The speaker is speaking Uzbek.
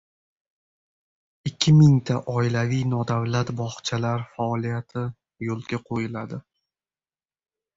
Ikki mingta oilaviy nodavlat bog‘chalar faoliyati yo‘lga qo‘yiladi